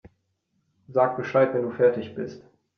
Sag Bescheid, wenn du fertig bist.